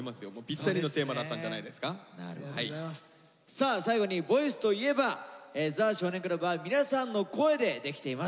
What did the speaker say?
さあ最後に「ＶＯＩＣＥ」といえば「ザ少年倶楽部」は皆さんの声でできています。